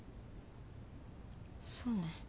そうね。